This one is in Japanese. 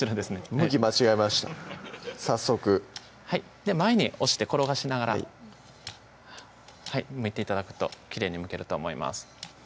向き間違えました早速前に押して転がしながらはいむいて頂くときれいにむけると思います